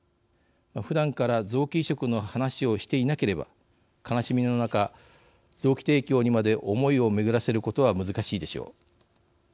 ふだんから臓器移植の話をしていなければ悲しみの中臓器提供にまで思いを巡らせることは難しいでしょう。